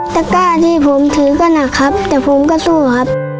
ตะก้าที่ผมถือก็หนักครับแต่ผมก็สู้ครับ